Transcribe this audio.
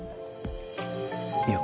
いや。